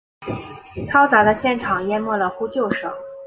嘈杂的现场淹没了呼救声。